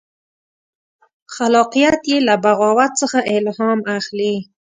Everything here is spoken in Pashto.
خلاقیت یې له بغاوت څخه الهام اخلي.